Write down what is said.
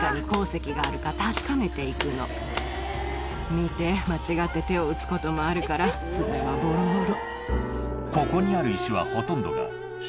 見て間違って手を打つこともあるから爪はボロボロ。